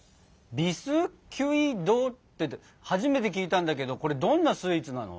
「ビスキュイ・ド」って初めて聞いたんだけどこれどんなスイーツなの？